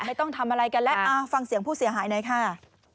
ไม่ต้องทำอะไรกันแล้วฟังเสียงผู้เสียหายหน่อยค่ะ